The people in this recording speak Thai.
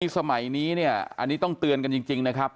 สมัยนี้เนี่ยอันนี้ต้องเตือนกันจริงนะครับ